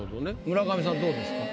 村上さんどうですか？